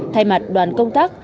thay mặt đoàn công tác